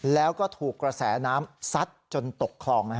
แล้วก็ถูกกระแสน้ำซัดจนตกคลอง